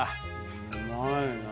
うまいなぁ。